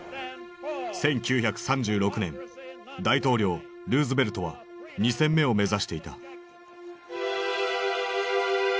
１９３６年大統領ルーズベルトは２選目を目指していた。